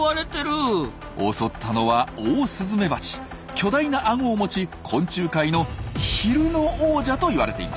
襲ったのは巨大なアゴを持ち昆虫界の昼の王者といわれています。